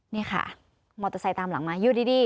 นี่ค่ะมอเตอร์ไซค์ตามหลังมาอยู่ดี